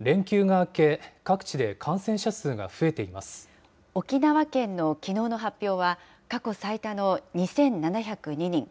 連休が明け、各地で感染者数が増沖縄県のきのうの発表は、過去最多の２７０２人。